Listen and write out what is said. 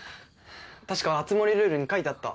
確か熱護ルールに書いてあった。